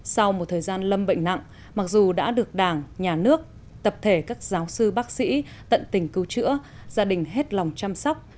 sau một thời gian lâm bệnh nặng mặc dù đã được đảng nhà nước tập thể các giáo sư bác sĩ tận tình cứu chữa gia đình hết lòng chăm sóc